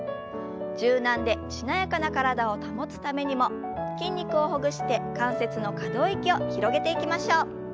柔軟でしなやかな体を保つためにも筋肉をほぐして関節の可動域を広げていきましょう。